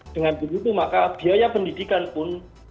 dengan begitu maka biaya pendidikan pun